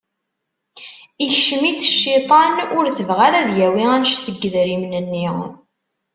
Ikcem-itt cciṭan, ur tebɣi ara ad yawwi anect n yedrimen-nni.